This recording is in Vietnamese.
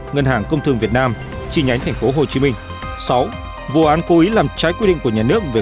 ngân hàng công thương việt nam chi nhánh tp hcm sáu vụ án cố ý làm trái quy định của nhà nước về